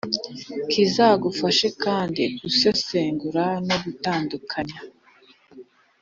Kizagufasha kandi gusesengura no gutandukanya